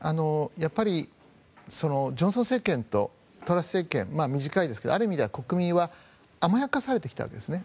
やっぱりジョンソン政権とトラス政権短いですが、ある意味では国民は甘やかされてきたわけですね。